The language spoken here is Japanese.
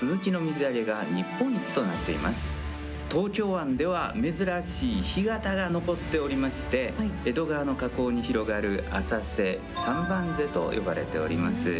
東京湾では珍しい干潟が残っておりまして江戸川の河口に広がる浅瀬、三番瀬と呼ばれております。